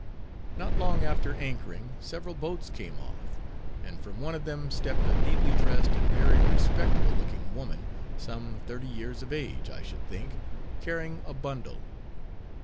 Not long after anchoring, several boats came off; and from one of them stept a neatly dressed and very respectable looking woman, some thirty years of age, I should think, carrying a bundle.